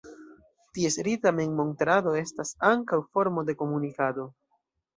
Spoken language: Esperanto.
Ties rita memmontrado estas ankaŭ formo de komunikado.